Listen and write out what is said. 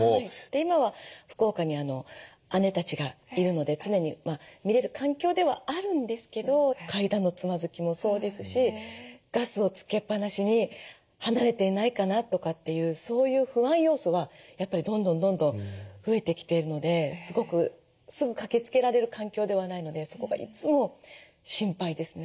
今は福岡に姉たちがいるので常に見れる環境ではあるんですけど階段のつまずきもそうですしガスをつけっぱなしに離れていないかなとかっていうそういう不安要素はやっぱりどんどんどんどん増えてきているのですごくすぐ駆けつけられる環境ではないのでそこがいつも心配ですね。